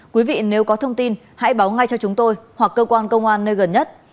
quý vị nếu có thông tin hãy báo ngay cho chúng tôi hoặc cơ quan công an nơi gần nhất